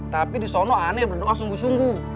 tapi disono aneh berdoa sungguh sungguh